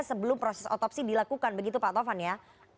sebelum proses otopsi dilakukan begitu pak tovan ya